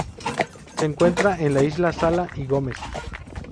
Se encuentra en la Isla Sala y Gómez.